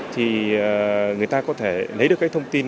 thì người ta có thể lấy được cái thông tin